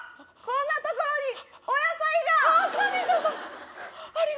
こんなところにお野菜がああ神様！